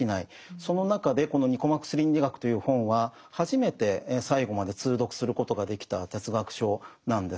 その中でこの「ニコマコス倫理学」という本は初めて最後まで通読することができた哲学書なんです。